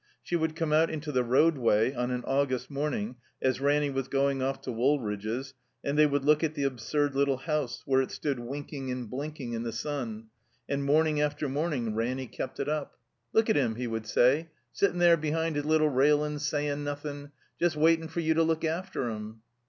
She would come out into the roadway on an August morning, as Ranny was going oflE to Woolridge's, and they would look at the absurd little house where it stood winking and blinking in the stm ; and morning after morning Ranny kept it up. Z4a THE COMBINED MAZE "Look at him," he would say, sittin* there be hind his little railings, sayin' nothing, just waitin* for you to look after him."